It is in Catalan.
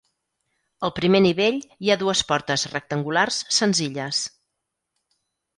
Al primer nivell hi ha dues portes rectangulars senzilles.